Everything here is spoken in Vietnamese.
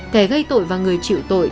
kẻ gây tội và người chịu tội